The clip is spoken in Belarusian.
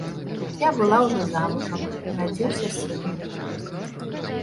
Я была ўжо замужам, нарадзіўся сын.